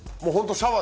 シャワー。